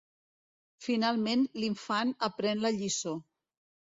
Finalment l'infant aprèn la lliçó.